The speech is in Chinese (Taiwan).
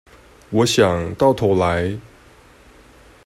我想，到頭來